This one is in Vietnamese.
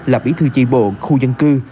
là bỉ thư trị bộ khu dân cư